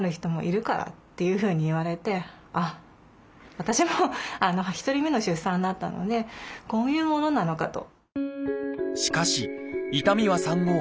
私も１人目の出産だったのでこういうものなのかと。